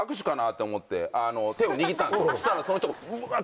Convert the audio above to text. そしたらその人うわっ！